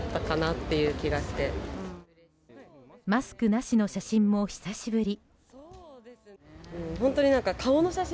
マスクなしの写真も久しぶり。